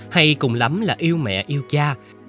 hay cùng lắm là yêu mẹ yêu cha